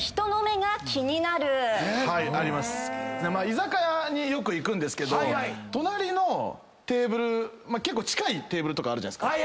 居酒屋によく行くんですけど隣のテーブル結構近いテーブルとかあるじゃないですか。